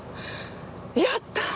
やったー！